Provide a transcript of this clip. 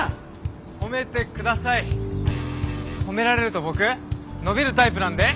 褒められると僕伸びるタイプなんで。